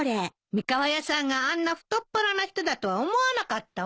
三河屋さんがあんな太っ腹な人だとは思わなかったわ。